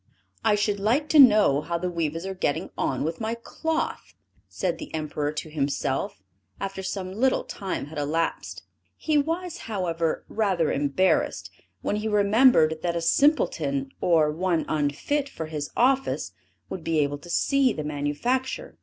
"I should like to know how the weavers are getting on with my cloth," said the Emperor to himself, after some little time had elapsed; he was, however, rather embarrassed, when he remembered that a simpleton, or one unfit for his office, would be unable to see the manufacture.